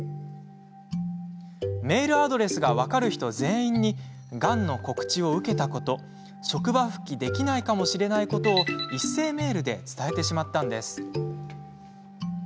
メールアドレスが分かる人全員にがんの告知を受けたこと職場復帰できないかもしれないことを一斉メールで伝えてしまったんです。